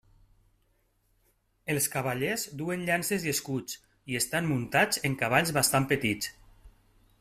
Els cavallers duen llances i escuts, i estan muntats en cavalls bastant petits.